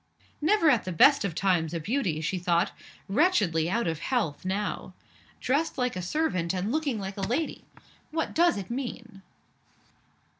"Never at the best of times a beauty," she thought. "Wretchedly out of health now. Dressed like a servant, and looking like a lady. What does it mean?"